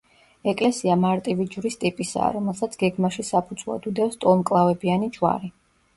ეკლესია მარტივი ჯვრის ტიპისაა, რომელსაც გეგმაში საფუძვლად უდევს ტოლმკლავებიანი ჯვარი.